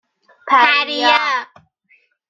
پریا